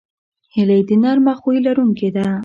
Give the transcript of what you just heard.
هیلۍ د نرمه خوی لرونکې ده